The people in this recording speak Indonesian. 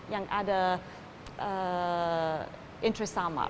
yang ada interest sama